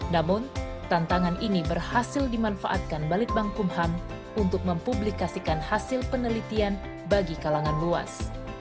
namun tantangan ini berhasil dimanfaatkan balitbang kumham untuk mempublikasikan hasil penelitian bagi kalangan luas